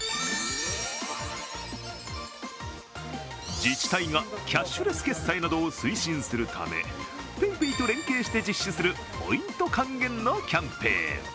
自治体がキャッシュレス決済などを推進するため、ＰａｙＰａｙと連携して実施するポイント還元のキャンペーン。